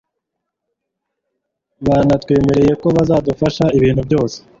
banatwemerera ko bazadufasha ibintu byose